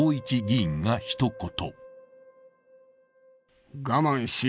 １議員がひと言。